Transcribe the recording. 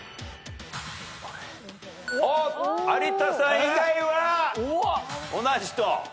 有田さん以外は同じと。